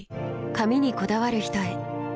髪にこだわる人へ。